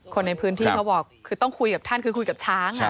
คนในพื้นที่เขาบอกคือต้องคุยกับท่านคือคุยกับช้าง